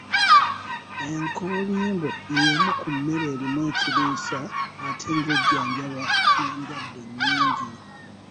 Enkoolimbo y’emu ku mmere erimu ekiriisa ate nga ejjanjaba n’endwadde nnyingi.